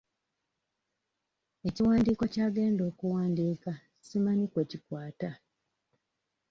Ekiwandiiko ky'agenda okuwandiika simanyi kwe kikwata.